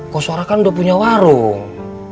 kosora kan udah punya warung